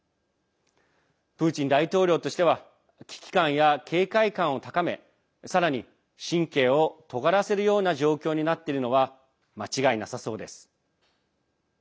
プーチン大統領としては危機感や警戒感を高めさらに神経をとがらせるような状況になっているのは間違いなさそうです。